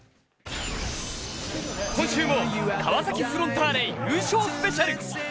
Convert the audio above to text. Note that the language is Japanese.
今週も川崎フロンターレ優勝スペシャル。